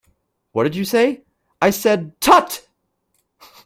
What did you say? I said 'Tut!'